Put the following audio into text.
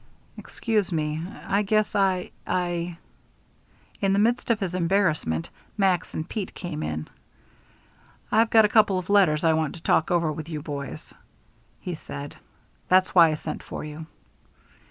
"Excuse me. I guess I " In the midst of his embarrassment, Max and Pete came in. "I've got a couple of letters I want to talk over with you boys," he said. "That's why I sent for you."